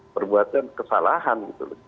perbuatan kesalahan gitu loh